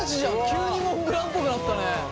急にモンブランっぽくなったね。